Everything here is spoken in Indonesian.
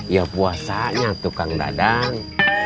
ya puasanya tukang dadang